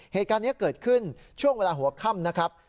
เหตุการณ์นี้เกิดขึ้นช่วงเวลาหัวค่ำนะครับ